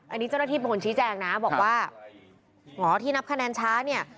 อันนี้เจ้าหน้าที่เป็นคนชี้แจงนะบอกว่าหมอที่นับคะแนนช้าเนี่ย